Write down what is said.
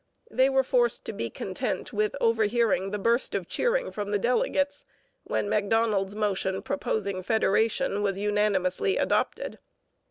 They were forced to be content with overhearing the burst of cheering from the delegates when Macdonald's motion proposing federation was unanimously adopted.